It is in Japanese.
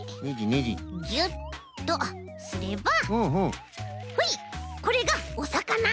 ギュッとすればほいこれがおさかな！